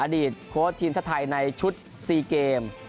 อดีตโค้ชทีมสถายในชุด๔เกม